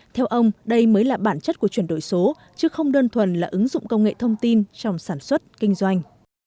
theo ông đây mới là bản chất của chuyển đổi số chứ không đơn thuần là ứng dụng công nghệ thông tin trong sản xuất kinh doanh